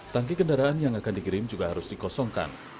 tangki kendaraan yang akan dikirim juga harus dikosongkan